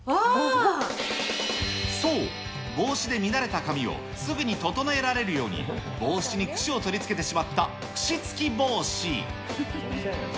そう、帽子で乱れた髪をすぐに整えられるように、帽子にくしを取り付けてしまったくし付き帽子。